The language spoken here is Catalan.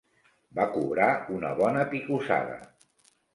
Va cobrar una bona picossada.